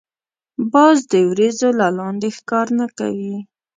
باز د وریځو له لاندی ښکار نه کوي